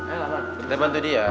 ayolah man kita bantu dia